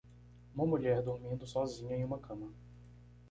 Uma mulher dormindo sozinha em uma cama.